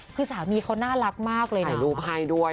คือสามีเขาน่ารักมากเลยถ่ายรูปให้ด้วย